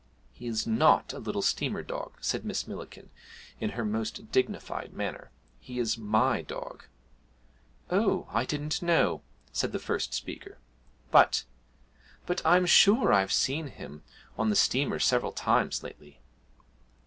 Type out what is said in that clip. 'He is not a little steamer dog,' said Miss Millikin in her most dignified manner; 'he is my dog.' 'Oh, I didn't know,' said the first speaker; 'but but I'm sure I've seen him on the steamer several times lately.'